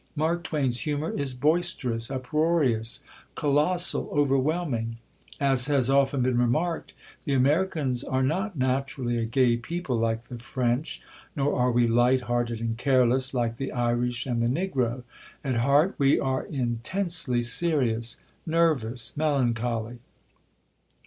Mark Twain's humour is boisterous, uproarious, colossal, overwhelming. As has often been remarked, the Americans are not naturally a gay people, like the French; nor are we light hearted and careless, like the Irish and the Negro. At heart, we are intensely serious, nervous, melancholy.